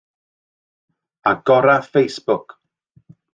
Agora Facebook